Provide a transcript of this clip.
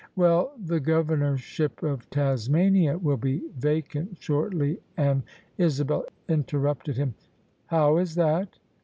"Well, the Governorship of Tasmania will be vacant shortly and " Isabel interrupted him. "How is that?